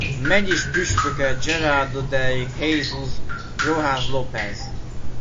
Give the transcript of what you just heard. Megyéspüspöke Gerardo de Jesús Rojas López.